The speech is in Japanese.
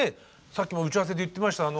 さっきも打ち合わせで言ってました。